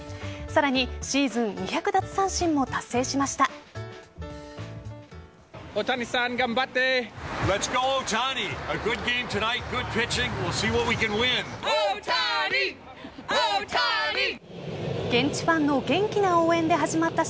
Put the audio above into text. さらにシーズン２００奪三振も達成しました。